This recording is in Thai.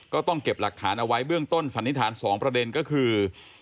ก็ต้องเก็บหลักฐานเอาไว้เบื้องต้นสันนิษฐาน๒ประเด็นก็คือ